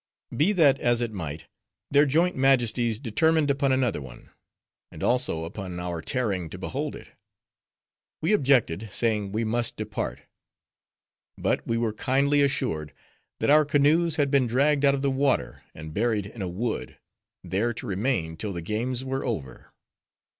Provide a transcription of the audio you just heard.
Be that as it might, their joint majesties determined upon another one; and also upon our tarrying to behold it. We objected, saying we must depart. But we were kindly assured, that our canoes had been dragged out of the water, and buried in a wood; there to remain till the games were over.